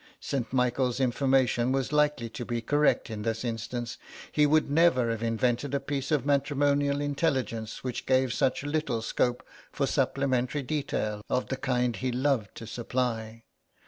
St. Michael's information was likely to be correct in this instance; he would never have invented a piece of matrimonial intelligence which gave such little scope for supplementary detail of the kind he loved to supply.